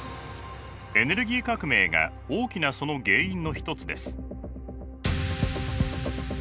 エネルギー革命が大きなその原因の一つです。